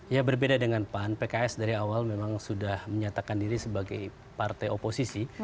ya berbeda dengan pan pks dari awal memang sudah menyatakan diri sebagai partai oposisi